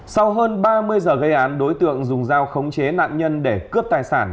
sau hơn ba mươi giờ gây án đối tượng dùng dao khống chế nạn nhân để cướp tài sản